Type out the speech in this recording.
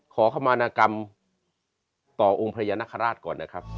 ขอคำวานกรรมต่อองค์พระยนตร์นักษ์ราชก่อนนะครับ